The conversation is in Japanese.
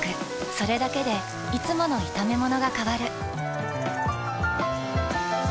それだけでいつもの炒めものが変わる。